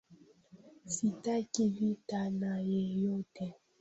Sitaki vita na yeyote